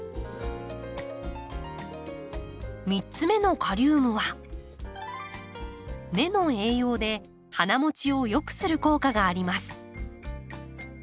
３つ目のカリウムは根の栄養で花もちを良くする効果があります。